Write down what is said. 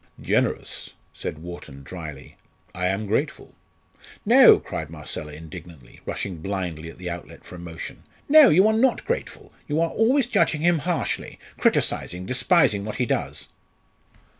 "Generous!" said Wharton, drily. "I am grateful." "No!" cried Marcella, indignantly, rushing blindly at the outlet for emotion. "No! you are not grateful; you are always judging him harshly criticising, despising what he does."